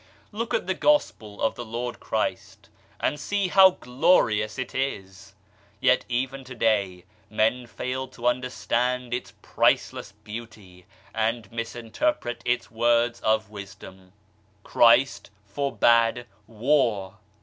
Look at the Gospel of the Lord Christ and see how glorious it is k Yet even to day men fail to understand its priceless beauty, and misinterpret its words of wisdom. Christ forbad war